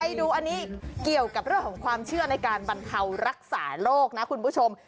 ไปดูอันนี้เกี่ยวกับเรื่องของความเชื่อในการบรรเทารักษาโรคนะคุณผู้ชม